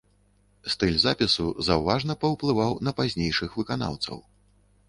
Стыль запісу заўважна паўплываў на пазнейшых выканаўцаў.